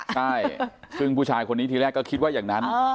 ใช่ซึ่งผู้ชายคนนี้ทีแรกก็คิดว่าอย่างนั้น